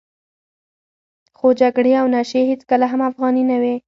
خو جګړې او نشې هېڅکله هم افغاني نه وې.